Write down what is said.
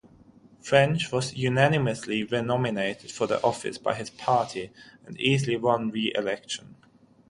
French was unanimously renominated for the office by his party, and easily won re-election.